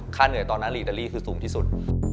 เหนื่อยตอนนั้นอิตาลีคือสูงที่สุด